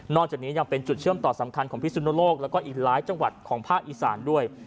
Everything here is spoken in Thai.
จากนี้ยังเป็นจุดเชื่อมต่อสำคัญของพิสุนโลกแล้วก็อีกหลายจังหวัดของภาคอีสานด้วย